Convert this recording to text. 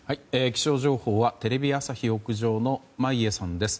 気象情報はテレビ朝日屋上の眞家さんです。